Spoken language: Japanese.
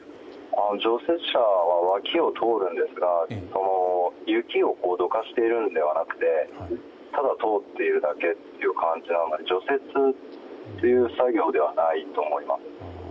除雪車は脇を通るんですが雪をどかしているのではなくてただ通っているだけという感じなので除雪という作業ではないと思います。